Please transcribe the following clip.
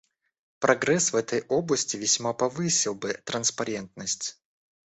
Прогресс в этой области весьма повысил бы транспарентность.